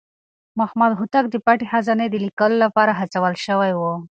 محمد هوتک د پټې خزانې د ليکلو لپاره هڅول شوی و.